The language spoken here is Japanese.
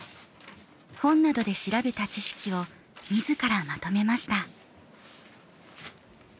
本などで調べた知識を自らまとめました。